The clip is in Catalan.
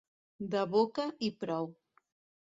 De boca i prou.